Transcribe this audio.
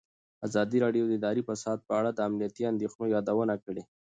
ازادي راډیو د اداري فساد په اړه د امنیتي اندېښنو یادونه کړې.